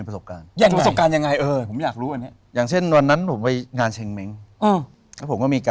พอเรามาเอาจริงเนี่ย